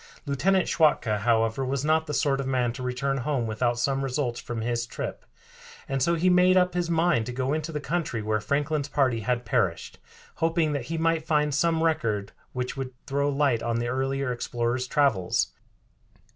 Lieutenant Schwatka, however, was not the sort of man to return home without some results from his trip, and so he made up his mind to go into the country where Franklin's party had perished, hoping that he might find some record which would throw light on the earlier explorer's travels.